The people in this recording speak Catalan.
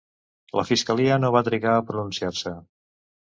La fiscalia no va trigar a pronunciar-se.